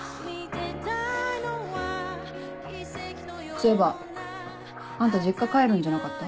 そういえばあんた実家帰るんじゃなかった？